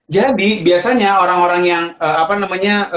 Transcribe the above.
jadi biasanya orang orang yang apa namanya